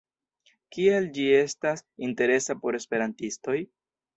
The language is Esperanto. Kial ĝi estas interesa por esperantistoj?